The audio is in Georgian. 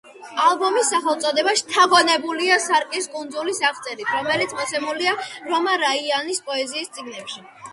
ალბომის სახელწოდება შთაგონებულია სარკის კუნძულის აღწერით, რომელიც მოცემულია რომა რაიანის პოეზიის წიგნებში.